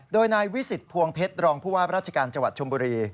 โดยนายวิสิทธิ์พวงเพชรรองพุวารัชกาลจังหวัดชมบุรี